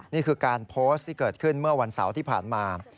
นี่คือการโพสต์ที่เกิดขึ้นเมื่อวันเสาร์ที่ผ่านมา